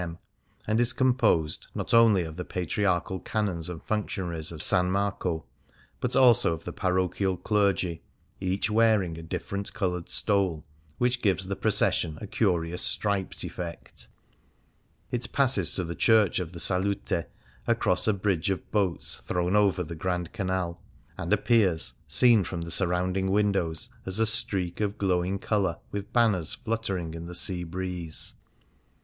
m., and is composed not only of the patriarchal canons and functionaries of S. Marco, but also of the parochial clergy, each wearing a different coloured stole, which gives the procession a curious striped effect. It passes to the church of the Salute, across a bridge of boats thrown over the Grand Canrd, and appears, seen from the surrounding windows, as a streak of glowing colour with banners fluttering in the sea breeze.